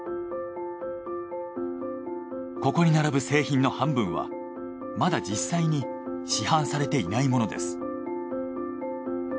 ここに並ぶ製品の半分はまだ実際に市販されていないものです。